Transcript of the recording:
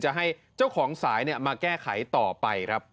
จะให้เจ้าของสายมาแก้ไขต่อไปครับ